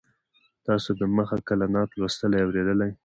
تاسو د مخه کله نعت لوستلی یا اورېدلی دی.